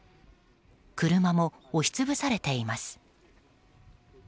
車も押し潰されています。